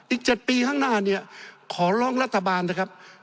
อีก๗ปีข้างหน้าเนี่ยขอร้องรัฐบาลนะครับ